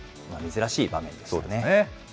珍しい場面でしたね。